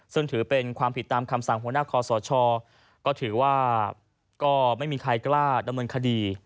ซึ่งถือเป็นความผิดตามคำสั่งหัวหน้าคอสชก็ถือว่าก็ไม่มีใครกล้าดำเนินคดี